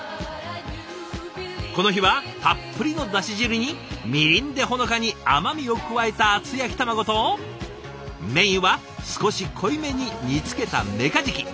この日はたっぷりのだし汁にみりんでほのかに甘みを加えた厚焼き卵とメインは少し濃いめに煮つけたメカジキ。